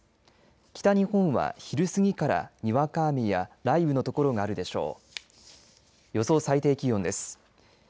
北日本は昼過ぎから、にわか雨や雷雨の所があるでしょう。